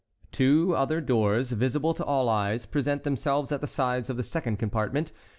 Two other doors, visible to all eyes, present themselves at the sides of the second compartment.